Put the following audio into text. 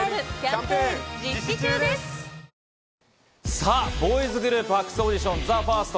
さぁ、ボーイズグループ発掘オーディションＴＨＥＦＩＲＳＴ。